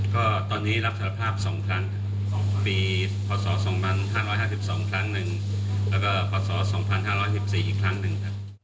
ก็ตอนนี้รับสารภาพ๒ปีพศ๒๕๕๒ครั้งหนึ่งแล้วก็พศ๒๕๑๔อีกครั้งหนึ่งครับ